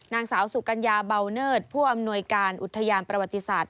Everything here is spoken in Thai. นางสาวสุกัญญาเบาเนิดผู้อำนวยการอุทยานประวัติศาสตร์